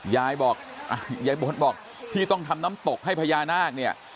ยายบอกยายบทบอกที่ต้องทำน้ำตกให้พญานาคเนี่ย